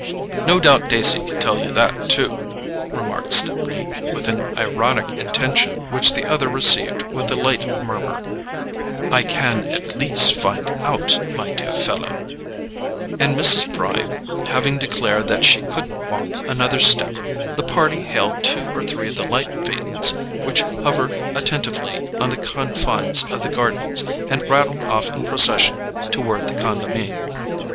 "No doubt Dacey can tell you that too," remarked Stepney, with an ironic intention which the other received with the light murmur, "I can at least FIND OUT, my dear fellow"; and Mrs. Bry having declared that she couldn't walk another step, the party hailed two or three of the light phaetons which hover attentively on the confines of the gardens, and rattled off in procession toward the Condamine.